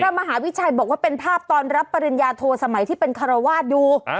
มหาวิชัยบอกว่าเป็นภาพตอนรับปริญญาโทสมัยที่เป็นคารวาสอยู่